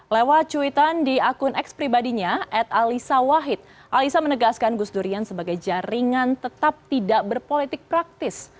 lewat cuitan di akun eks pribadinya ad alisa wahid alisa menegaskan gus durian sebagai jaringan tetap tidak berpolitik praktis